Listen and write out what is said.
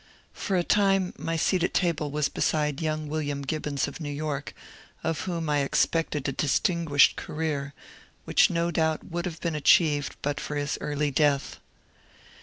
For a time my seat at table was beside young William Gibbons of New York, of whom I expected a distinguished career, which*no doubt would have been achieved but for his early death.